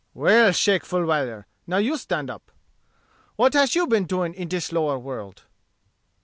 "Well, Shake Fulwiler, now you stand up. What hash you been doin in dis lower world?"